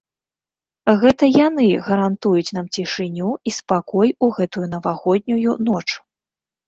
Гэта яны гарантуюць нам цішыню і спакой у гэтую навагоднюю ноч.